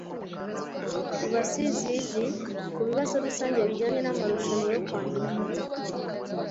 ku basizizi kubibazo rusange bijyanye namarushanwa yo kwandika